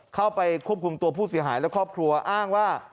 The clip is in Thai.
เข้าไปควบคุมตัวผู้เสียหายและครอบครัวอ้างว่า